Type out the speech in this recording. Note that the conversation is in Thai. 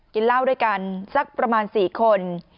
กินเหล้าด้วยกันสักประมาณ๔คน